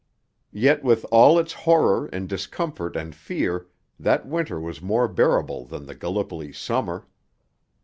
Yet with all its horror and discomfort and fear that winter was more bearable than the Gallipoli summer.